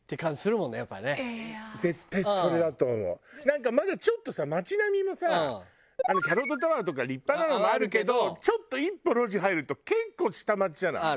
なんかまだちょっとさ街並みもさキャロットタワーとか立派なのもあるけどちょっと一歩路地入ると結構下町じゃない？